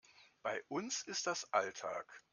Bei uns ist das Alltag.